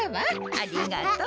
ありがとう。